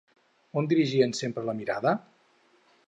On dirigien sempre la mirada?